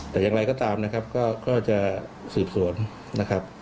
แต่อย่างไรก็ตามนะครับก็จะสืบสวนนะครับ